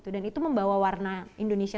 dan itu membawa warna indonesia